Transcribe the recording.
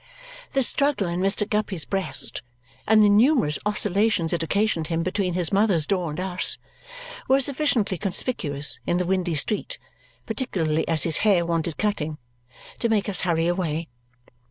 The struggle in Mr. Guppy's breast and the numerous oscillations it occasioned him between his mother's door and us were sufficiently conspicuous in the windy street (particularly as his hair wanted cutting) to make us hurry away.